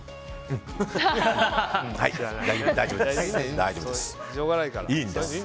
大丈夫です。